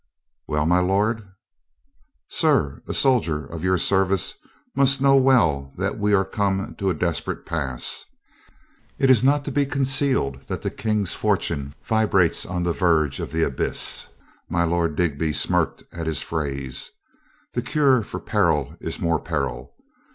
"Well, my lord?" "Sir, a soldier of your service must know well that we are come to a desperate pass. It is not to be concealed that the King's fortune vibrates on the verge of the abyss." My Lord Digby smirked at his phrase. "The cure for peril is more peril.